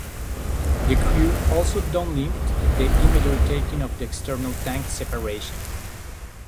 The crew also downlinked the imagery taken of the external tank separation.